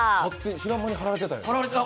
知らん間に貼られてた。